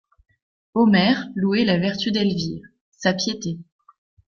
Omer louait la vertu d'Elvire, sa piété.